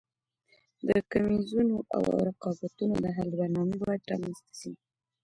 د کميزونو او رقابتونو د حل برنامې باید رامنځته سي.